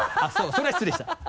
それは失礼した。